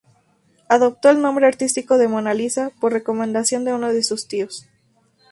Adoptó el nombre artístico de Mona Lisa por recomendación de uno de sus tíos.